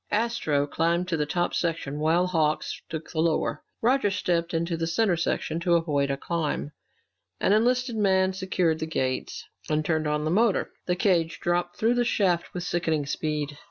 Astro climbed to the top section while Hawks took the lower. Roger stepped into the center section to avoid a climb. An enlisted man secured the gates and turned on the motor. The cage dropped through the shaft with sickening speed.